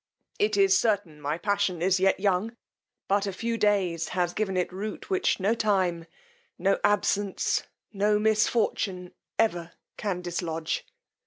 It is certain my passion is yet young; but a few days has given it root which no time, no absence, no misfortune ever can dislodge.